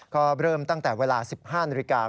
ก็เริ่มตั้งแต่เวลา๑๕นาฬิกา